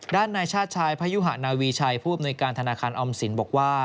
ด้านในชาติชายพยุหะนาวีชัยผู้อำนวยการธนาคารออมสินบอกว่า